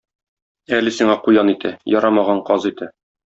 Әле сиңа куян ите, ярамаган каз ите.